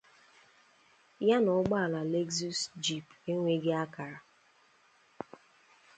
ya na ụgbọala 'Lexus Jeep' enweghị akara